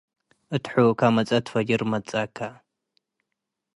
እት ሑከ መጽአት ፈጅር ትመጽአከ።